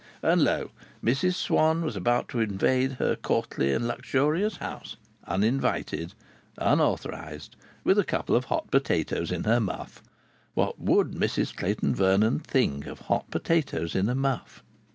And lo! Mrs Swann was about to invade her courtly and luxurious house, uninvited, unauthorized, with a couple of hot potatoes in her muff. What would Mrs Clayton Vernon think of hot potatoes in a muff?